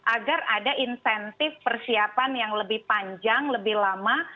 agar ada insentif persiapan yang lebih panjang lebih lama